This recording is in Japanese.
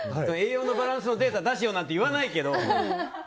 栄養のバランスのデータ出せよなんて言わないけど。